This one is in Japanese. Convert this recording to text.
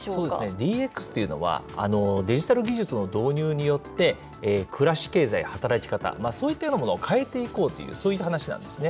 ＤＸというのは、デジタル技術の導入によって、暮らし、経済、働き方、そういったようなものを変えていこうという、そういった話なんですね。